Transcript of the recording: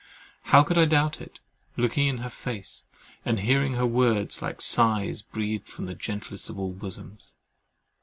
How could I doubt it, looking in her face, and hearing her words, like sighs breathed from the gentlest of all bosoms?